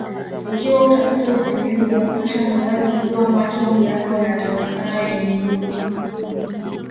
Ikiwa utapata usingizi wa kutosha ni wazi kuwa macho yako yataonekana yenye nuru